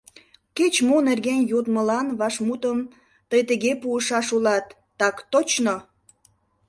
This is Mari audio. Кеч-мо нерген йодмылан вашмутым тый тыге пуышаш улат: «Так точно».